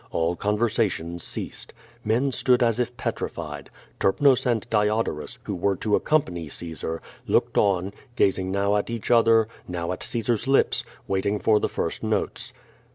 All conversation ceased. Mert stood as if petrified. Terpnos and Diodorus, who were to accompany Caesar, looked on, gazing now at each other, now at Caesar's lips, waiting for the first notes.